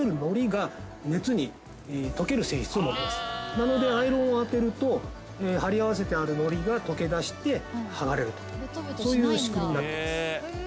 なのでアイロンを当てると貼り合わせてあるのりが溶け出して剥がれるとそういう仕組みになってます。